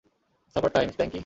সাপারটাইম, স্প্যাঙ্কি।